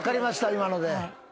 今ので。